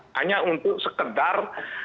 hanya untuk sekedar